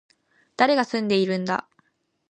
誰が住んでいるんだ